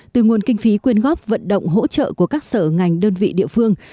từ nguồn kinh phí quyên góp vận động hỗ trợ của các sở ngành đơn vị địa phương